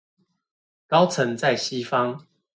高層在西方